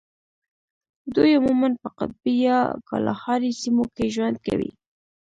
دوی عموماً په قطبي یا کالاهاري سیمو کې ژوند کوي.